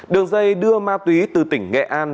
đường dây đưa ma túy từ tỉnh nghệ an